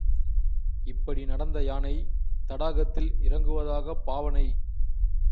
இப்படி நடந்த யானை தடாகத்தில் இறங்குவதாகப் பாவனை.